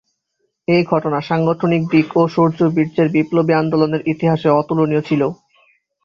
এ ঘটনা সাংগঠনিক দিক ও শৌর্য-বীর্যে বিপ্লবী আন্দোলনের ইতিহাসে অতুলনীয় ছিল।